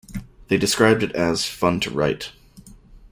They described it as "fun to write".